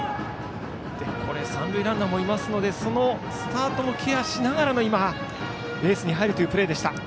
これ、三塁ランナーもいますのでそのスタートもケアしながらのベースに入るというプレーでした。